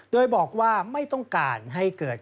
โดยบอกว่าไม่ต้องการให้เกิด